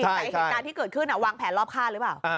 แต่เหตุการณ์ที่เกิดขึ้นวางแผนรอบค่าหรือเปล่า